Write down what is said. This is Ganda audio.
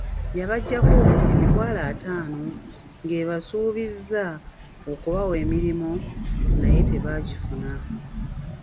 Yabaggyako emitwalo ataano ng’ebasuubizza okubawa emirimo naye ne batagifuna.